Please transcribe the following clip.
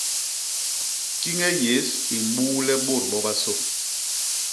Kiñe yés i mbuule bôt bobasô.